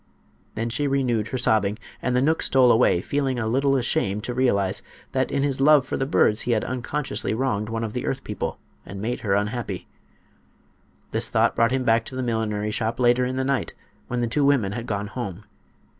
Then she renewed her sobbing and the knook stole away, feeling a little ashamed to realized that in his love for the birds he had unconsciously wronged one of the earth people and made her unhappy. This thought brought him back to the millinery shop later in the night, when the two women had gone home.